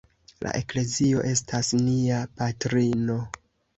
La Eklezio estas nia patrino.